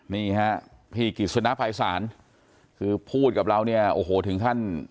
นี่ฮะพี่กิจสนะภัยศาลคือพูดกับเราเนี่ยโอ้โหถึงขั้น